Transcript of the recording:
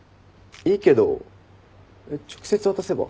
いいけど直接渡せば？